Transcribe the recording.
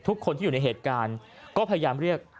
ทุกคนที่อยู่ในเหตุการณ์ก็พยายามเรียก